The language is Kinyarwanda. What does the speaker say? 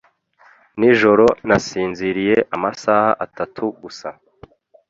Nijoro nasinziriye amasaha atatu gusa